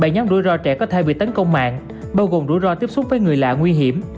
bảy nhóm rủi ro trẻ có thể bị tấn công mạng bao gồm rủi ro tiếp xúc với người lạ nguy hiểm